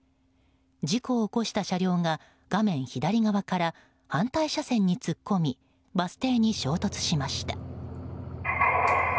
事故を起こした車両が画面左側から反対車線に突っ込みバス停に衝突しました。